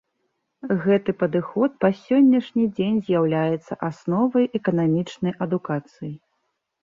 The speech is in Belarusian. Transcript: Гэты падыход па сённяшні дзень з'яўляецца асновай эканамічнай адукацыі.